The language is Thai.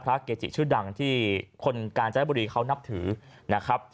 เกจิชื่อดังที่คนกาญจนบุรีเขานับถือนะครับ